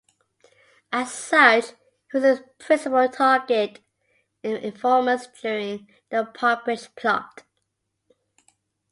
As such, he was a principal target of informers during the Popish Plot.